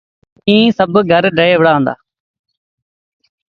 ائيٚݩ سڀ گھر ڊهي وُهرآ هُݩدآ۔